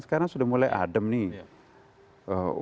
sekarang sudah mulai adem nih